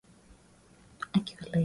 kata vipande nne vya unga uliokandwa